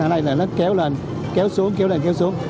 ở đây là nó kéo lên kéo xuống kéo lên kéo xuống